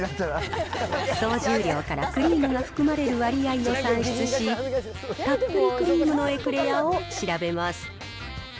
総重量からクリームが含まれる割合を算出し、たっぷりクリームのエクレアを調べます。